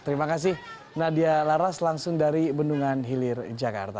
terima kasih nadia laras langsung dari bendungan hilir jakarta